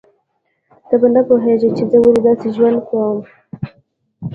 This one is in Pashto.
ته به نه پوهیږې چې زه ولې داسې ژوند کوم